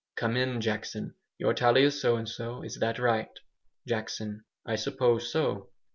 "Come in, Jackson! Your tally is so and so. Is that right?" Jackson. "I suppose so."